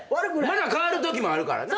まだ変わるときもあるからな。